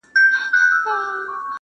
ستا په ډېرو ښایستو کي لویه خدایه,